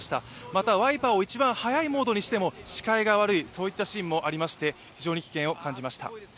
また、ワイパーを一番速いモードにしても視界が悪い、そういったシーンもありまして、非常に危険を感じました。